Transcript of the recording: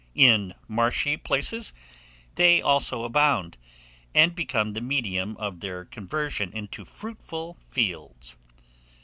In marshy places they also abound, and become the medium of their conversion into fruitful fields.